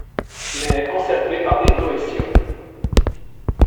mais encerclés par des Noétiens.